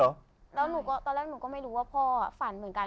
แล้วหนูก็ตอนแรกหนูก็ไม่รู้ว่าพ่อฝันเหมือนกัน